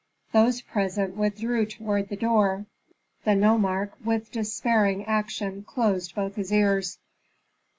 Those present withdrew toward the door; the nomarch with despairing action closed both his ears.